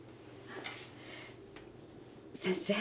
先生。